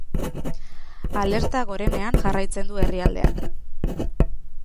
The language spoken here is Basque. Alerta gorenean jarraitzen du herrialdeak.